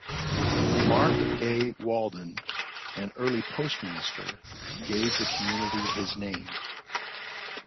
Mark A. Walden, an early postmaster, gave the community his name.